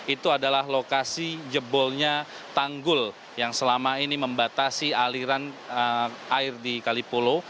itu adalah lokasi jebolnya tanggul yang selama ini membatasi aliran air di kalipulo